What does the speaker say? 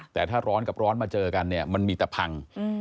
แต่ถ้าร้อนกับร้อนมาเจอกันเนี่ยมันมีแต่พัง